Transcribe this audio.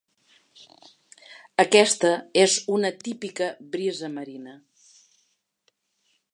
Aquesta és una típica brisa marina.